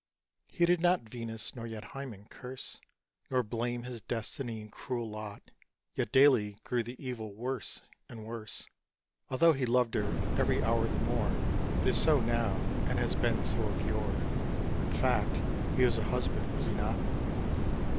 He did not Venus nor yet Hymen curse, Nor blame his destiny and cruel lot, Yet daily grew the evil worse and worse: Although he loved her every hour the more. It is so now, and has been so of yore. In fact, he was a Husband, was he not?